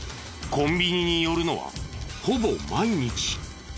コンビニに寄るのはほぼ毎日。